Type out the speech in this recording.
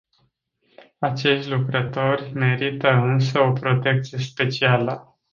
Acești lucrători merită însă o protecție specială.